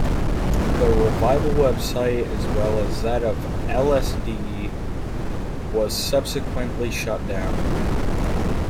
The revival web site, as well as that of "Ellesdee", was subsequently shut down.